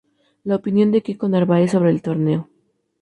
La opinión de Kiko Narváez sobre el torneo